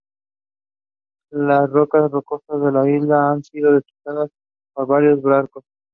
Las costas rocosas de las islas han sido desastrosas para varios barcos.